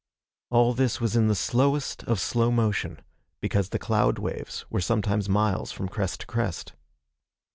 All this was in the slowest of slow motion, because the cloud waves were sometimes miles from crest to crest.